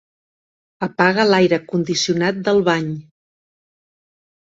Apaga l'aire condicionat del bany.